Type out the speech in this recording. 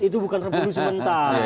itu bukan revolusi mental